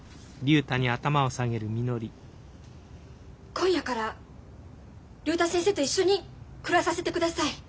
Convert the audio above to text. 今夜から竜太先生と一緒に暮らさせてください。